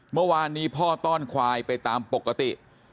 เมื่อวานนี้พ่อต้อนควายไปตามปกติ